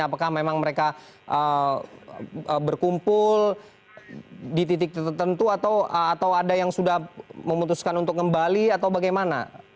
apakah memang mereka berkumpul di titik tertentu atau ada yang sudah memutuskan untuk kembali atau bagaimana